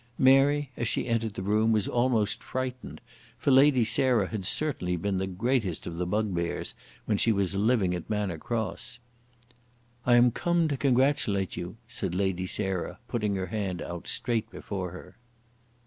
Mary, as she entered the room, was almost frightened, for Lady Sarah had certainly been the greatest of the bugbears when she was living at Manor Cross, "I am come to congratulate you," said Lady Sarah, putting her hand out straight before her.